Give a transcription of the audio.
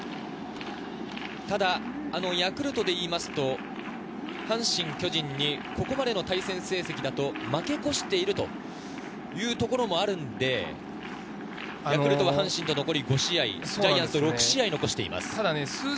ただヤクルトでいうと阪神・巨人にここまでの対戦成績だと負け越しているということもあるので、ヤクルトは阪神と残り５試合、ジャイアンツと６試合残しています。